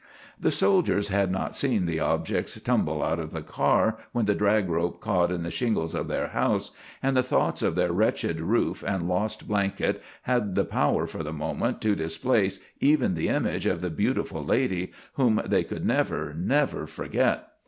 The soldiers had not seen the objects tumble out of the car when the drag rope caught in the shingles of their house, and the thoughts of their wrecked roof and lost blanket had the power for the moment to displace even the image of the beautiful lady, whom they could never, never forget.